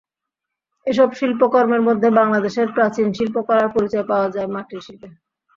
এসব শিল্পকর্মের মধ্যে বাংলাদেশের প্রাচীন শিল্পকলার পরিচয় পাওয়া যায় মাটির শিল্পে।